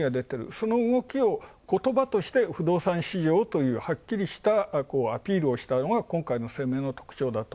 その動きを言葉として不動産市場とはっきりアピールしたのが今回の声明の特徴。